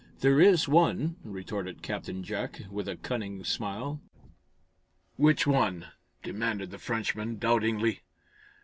"There is one," retorted Captain Jack, with a cunning smile. "Which one?" demanded the Frenchman, doubtingly.